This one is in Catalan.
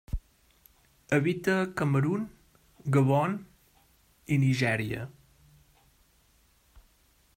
Habita a Camerun, Gabon i Nigèria.